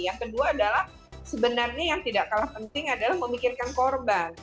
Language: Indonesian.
yang kedua adalah sebenarnya yang tidak kalah penting adalah memikirkan korban